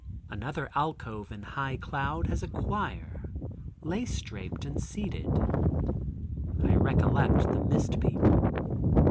Another alcove in high cloud has a choir, lace draped and seated. I recollect the mist people.